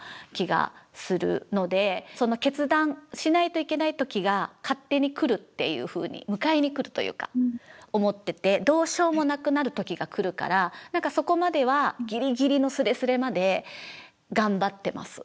その決断しないといけない時が勝手に来るっていうふうに迎えに来るというか思っててどうしようもなくなる時が来るからそこまではギリギリのスレスレまで頑張ってます。